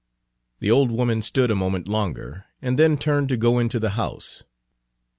The old woman stood a moment longer and then turned to go into the house.